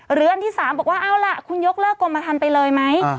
อันที่๓บอกว่าเอาล่ะคุณยกเลิกกรมทันไปเลยไหม